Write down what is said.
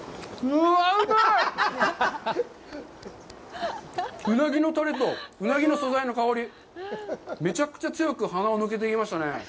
うなぎのタレとうなぎの素材の香り、めちゃくちゃ強く鼻を抜けていきましたね。